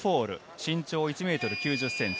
身長１ｍ９０ｃｍ。